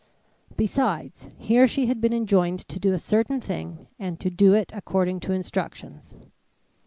Besides, here she had been enjoined to do a certain thing and to do it according to instructions.